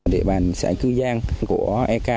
địa bàn xã cư giang của eak